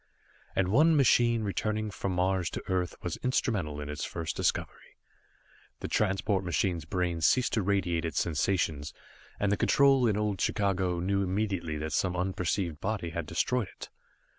And one machine returning from Mars to Earth was instrumental in its first discovery. The transport machine's brain ceased to radiate its sensations, and the control in old Chicago knew immediately that some unperceived body had destroyed it.